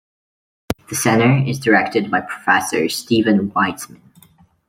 The center is directed by Professor Steven Weitzman.